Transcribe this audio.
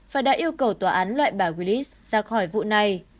và đã yêu cầu tòa án loại bà glis ra khỏi vụ này